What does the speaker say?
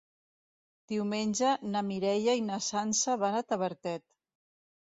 Diumenge na Mireia i na Sança van a Tavertet.